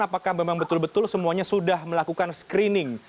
apakah memang betul betul semuanya sudah melakukan screening